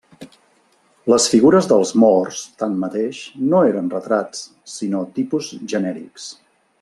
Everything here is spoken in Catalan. Les figures dels morts, tanmateix, no eren retrats, sinó tipus genèrics.